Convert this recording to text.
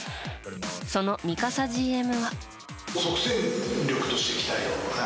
その三笠ＧＭは。